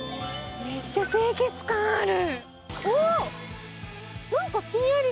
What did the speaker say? めっちゃ清潔感ある。